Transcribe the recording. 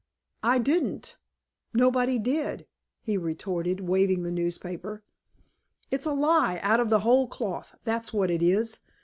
"I didn't; nobody did," he retorted, waving the newspaper. "It's a lie out of the whole cloth, that's what it is.